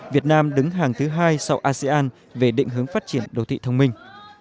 việt nam đứng hàng thứ hai sau asean về định hướng phát triển đô thị thông minh